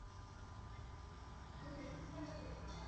新北市立清水高级中学毗邻明德路一段的两个出入口。